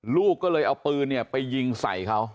ลูกก็เลยเอาปืนไปยิงใส่เขา